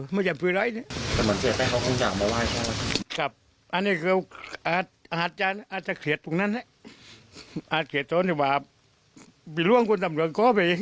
ว่าเหลือวงคนรับงานมาต่าง